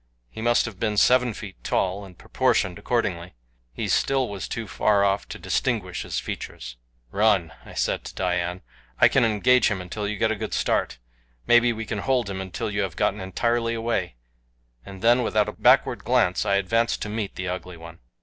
He must have been seven feet tall, and proportioned accordingly. He still was too far off to distinguish his features. "Run," I said to Dian. "I can engage him until you get a good start. Maybe I can hold him until you have gotten entirely away," and then, without a backward glance, I advanced to meet the Ugly One.